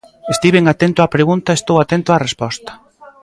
Estiven atento á pregunta e estou atento á resposta.